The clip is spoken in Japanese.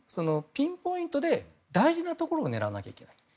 ピンポイントで大事なところを狙わなきゃいけない。